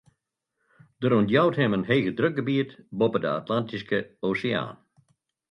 Der ûntjout him in hegedrukgebiet boppe de Atlantyske Oseaan.